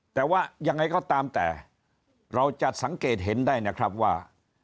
แต่ว่ายังไงก็ตามแต่เราจะสังเกตเห็นได้นะครับว่า